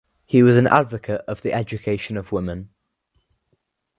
He was an advocate of the education of women.